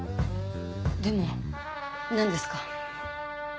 でもなんですか？